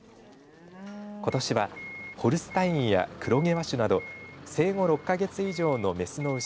ことしは、ホルスタインや黒毛和種など生後６か月以上の雌の牛